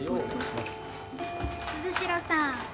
鈴代さん。